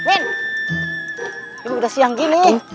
ini udah siang gini